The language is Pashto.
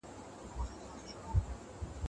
فاسفورس هم د هوږې له مهمو عناصرو دی.